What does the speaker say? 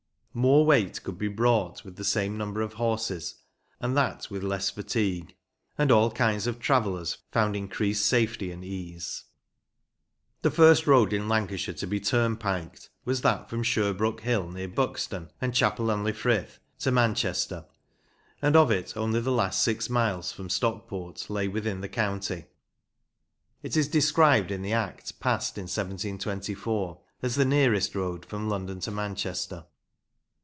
More weight could be brought with the same number of horses, and that with less fatigue; and all kinds of travellers found increased safety and ease. LANCASHIRE IN PRE TURNPIKE TIMES. The first road in Lancashire to be turnpiked was that from Sherbrook Hill, near Buxton and Chapel en le Frith, to Manchester, and of it only the last six miles, from Stockport, lay within the county. It is described in the Act passed in 1724 as "the nearest road from London to Manchester."